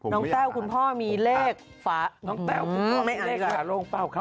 น้องแซวคุณพ่อมีเลขฝาพี่ช่วยเจอแต่ลงกะ